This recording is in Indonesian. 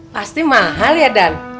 pasti mahal ya dan